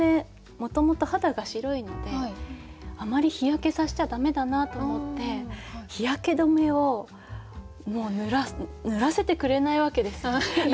もともと肌が白いのであまり日焼けさせちゃ駄目だなと思って日焼け止めを塗らせてくれないわけですよ。